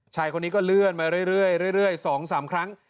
ชายคนนี้ก็เลื่อนมาเรื่อย๒๓ครั้ง